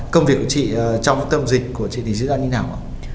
công việc của chị trong tâm dịch của chị diễn ra như thế nào ạ